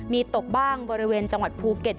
มีตกบ้างบริเวณจังหวัดภูเก็ต